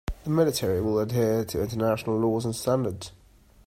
The Military will adhere to international laws and standards.